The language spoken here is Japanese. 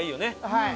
はい。